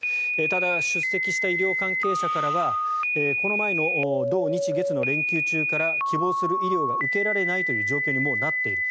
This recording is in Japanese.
ただ、出席した医療関係者からはこの前の土日月の連休中から希望する医療が受けられないという状況にもうなっている。